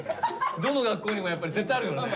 どの学校にもやっぱり絶対あるよね。